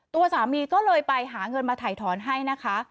ตัวสามีก็เลยไปหาเงินมาถ่ายถอนให้นะคะ